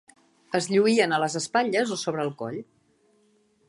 Es lluïen a les espatlles o sobre el coll.